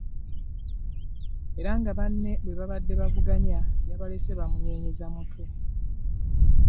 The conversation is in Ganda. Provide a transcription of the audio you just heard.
Era nga banne bwe baabadde bavuganya yabalese bamunyeenyeza mutwe.